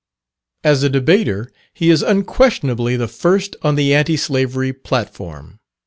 As a debater he is unquestionably the first on the Anti slavery platform.